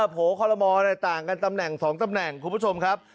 โผล่คอลโมต่างกันตำแหน่ง๒ตำแหน่งคุณผู้ชมครับ